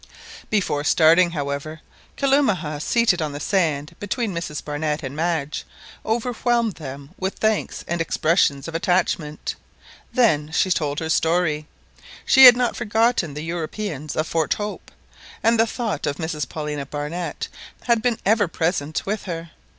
Before starting, however, Kalumah, seated on the sand between Mrs Barnett and Madge, overwhelmed them with thanks and expressions of attachment. Then she told her story: she had not forgotten the Europeans of Fort Hope, and the thought of Mrs Paulina Barnett had been ever present with her.